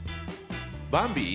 ばんび。